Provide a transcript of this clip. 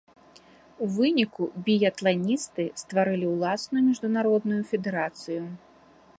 У выніку біятланісты стварылі ўласную міжнародную федэрацыю.